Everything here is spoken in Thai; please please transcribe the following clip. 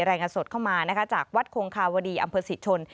แรงอสดเข้ามานะคะจากวัดโครงคาวดีอำเภษศิชน